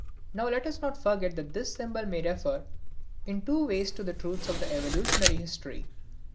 Now let us not forget that this symbol may refer in two ways to the truths of evolutionary history.